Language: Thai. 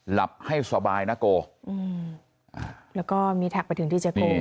หลับให้สบายนะโกอืมแล้วก็มีแท็กไปถึงดีเจโก